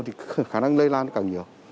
thì khả năng lây lan nó càng nhiều